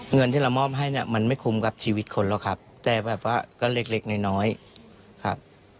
เงินที่เรามอบให้เนี่ยมันไม่คุ้มกับชีวิตคนหรอกครับแต่แบบว่าก็เล็กน้อยครับ